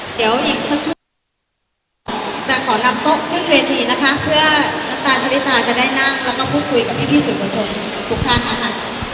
เดี๋ยวอีกสักครู่จะขอนำโต๊ะขึ้นเวทีนะคะเพื่อน้ำตาลชะลิตาจะได้นั่งแล้วก็พูดคุยกับพี่สื่อมวลชนทุกท่านนะคะ